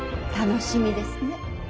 楽しみですね。